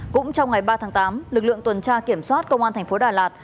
cũng trong ngày ba tháng tám lực lượng tuần tra kiểm soát công an thành phố đà lạt